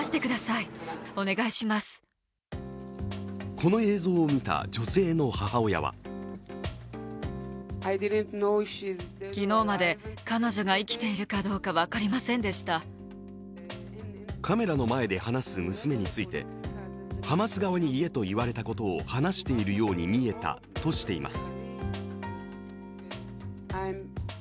この映像を見た女性の母親はカメラの前で話す娘についてハマス側に言えと言われたことを話しているように見えたとしています。